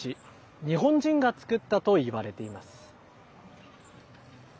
日本人が造ったといわれています。